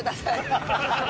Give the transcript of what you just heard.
ハハハハ！